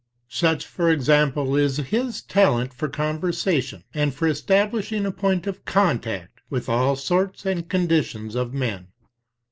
Such for example is his talent for conversation, and for establishing a point of contact with all sorts and conditions of men.